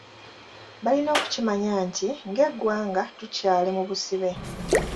Balina okukimanya nti ng'eggwanga tukyali mu busibe.